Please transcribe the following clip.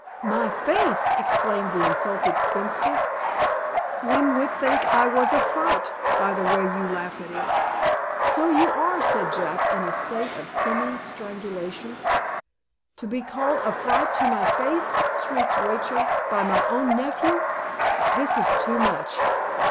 "My face!" exclaimed the insulted spinster. "One would think I was a fright, by the way you laugh at it." "So you are," said Jack, in a state of semi strangulation. "To be called a fright to my face!" shrieked Rachel, "by my own nephew! This is too much.